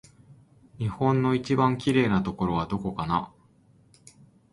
日本の一番きれいなところはどこかな